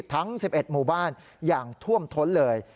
ทั้ง๑๑หมู่บ้านอย่างท่วมท้นเลย